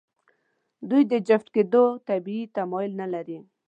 دوی د جفت کېدو طبیعي تمایل نهلري.